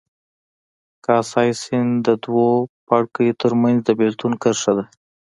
کاسای سیند د دوو پاړکیو ترمنځ د بېلتون کرښه ده.